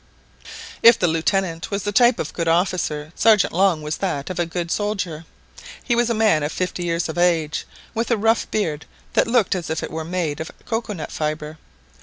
If the lieutenant was the type of a good officer, Sergeant Long was that of a good soldier. He was a man of fifty years of age, with a rough beard that looked as if it were made of cocoa nut fibre.